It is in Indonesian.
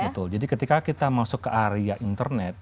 betul jadi ketika kita masuk ke area internet